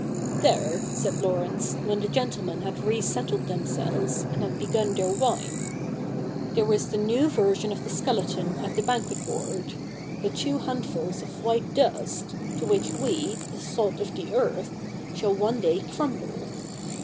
' There,' said Laurence, when the gentlemen had re settled themselves, and had begun their wine, ' there is CH. Ill] THE NEW REPUBLIC 45 the new version of the skeleton at the banquet board — the two handfuls of white dust, to which we, the salt of the earth, shall one day crumble.